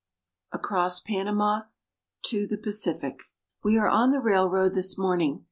ACROSS PANAMA TO THE PACIFIC. WE are on the railroad this morning.